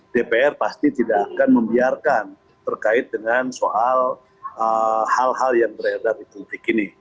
dpr pasti tidak akan membiarkan terkait dengan soal hal hal yang beredar di publik ini